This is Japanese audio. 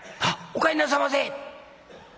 「あっお帰りなさいませ」。